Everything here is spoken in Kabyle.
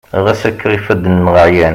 ɣas akka ifadden-nneɣ ɛyan